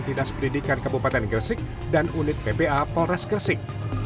dinas pendidikan kabupaten gresik dan unit ppa polres gresik